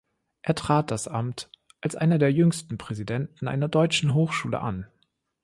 Er trat das Amt als einer der jüngsten Präsidenten einer deutschen Hochschule an.